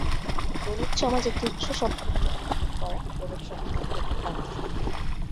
গণিত সমাজে তুচ্ছ সত্য নিয়ে কৌতুক করা গণিত সংস্কৃতির একটি অংশ।